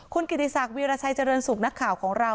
คุณกิติศักดิราชัยเจริญสุขนักข่าวของเรา